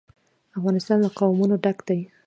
افغانستان له قومونه ډک دی.